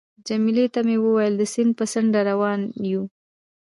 جميله ته مې وویل: د سیند په څنډه کې روان یو.